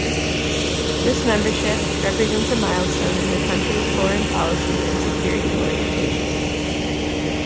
This membership represents a milestone in the country's foreign policy and security orientation.